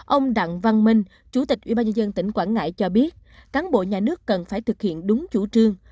ông đặng văn minh chủ tịch ubnd tỉnh quảng ngãi cho biết cán bộ nhà nước cần phải thực hiện đúng chủ trương